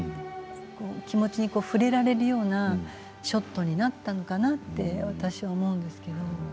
気持ちに触れられるようなショットになったのかなって私、思うんですけど。